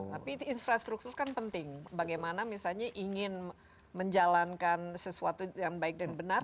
tapi infrastruktur kan penting bagaimana misalnya ingin menjalankan sesuatu yang baik dan benar